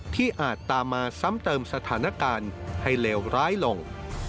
อาจตามมาซ้ำเติมสถานการณ์ให้เลวร้ายลง